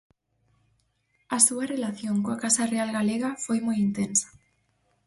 A súa relación coa casa real galega foi moi intensa.